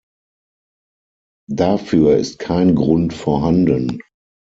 Dafür ist kein Grund vorhanden.